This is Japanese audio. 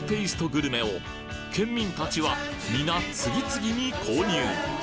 グルメを県民たちは皆次々に購入